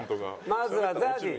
まずはＺＡＺＹ。